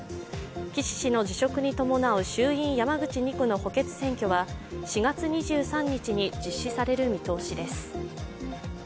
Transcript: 岸氏の辞職に伴う衆院山口２区の補欠選挙は４月２３日に実施される見通しです。